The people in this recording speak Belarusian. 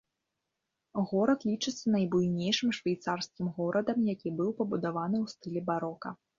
Горад лічыцца найбуйнейшым швейцарскім горадам, які быў пабудаваны ў стылі барока.